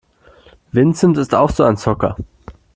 Vincent ist auch so ein Zocker.